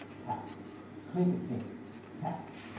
Tap! Clink a tink! Tap!